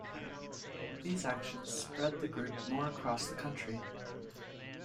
These actions spread the group more across the country.